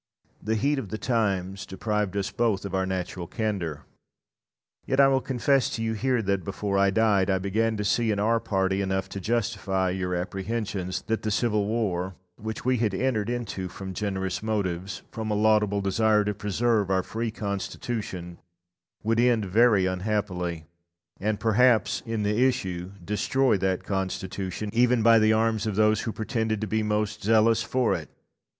The heat of the times deprived us both of our natural candour. Yet I will confess to you here, that, before I died, I began to see in our party enough to justify your apprehensions that the civil war, which we had entered into from generous motives, from a laudable desire to preserve our free constitution, would end very unhappily, and perhaps, in the issue, destroy that constitution, even by the arms of those who pretended to be most zealous for it.